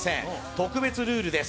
特別ルールです。